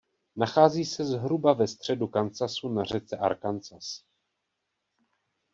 Nachází se zhruba ve středu Kansasu na řece Arkansas.